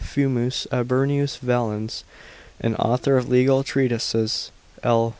FuMus Aburnius Valens, an author of legal treatises ; L.